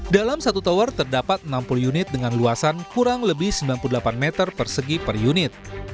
dalam satu tower terdapat enam puluh unit dengan luasan kurang lebih sembilan puluh delapan meter persegi per unit